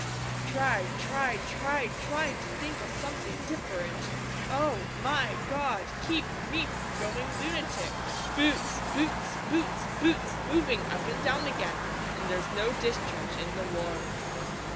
Try try try try to think o' something different Oh my God keep me from going lunatic! Boots boots boots boots moving up and down again An' there's no discharge in the war.